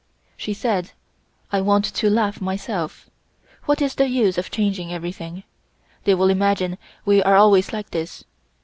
She said: "I want to laugh myself. What is the use of changing everything? They will imagine we are always like this.